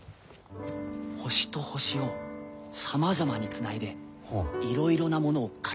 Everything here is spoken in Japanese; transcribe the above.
星と星をさまざまにつないでいろいろなものを形づくるのです。